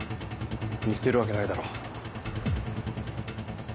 見捨てるわけないだろ。